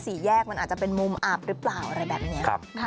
สี่แยกมันอาจจะเป็นมุมอับหรือเปล่าอะไรแบบนี้